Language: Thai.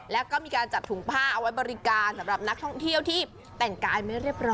แล้วก็มีการจัดถุงผ้าเอาไว้บริการสำหรับนักท่องเที่ยวที่แต่งกายไม่เรียบร้อย